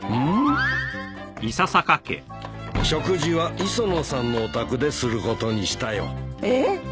食事は磯野さんのお宅ですることにしたよ。えっ？